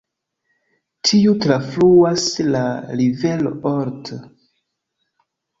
Tiu trafluas la rivero Olt.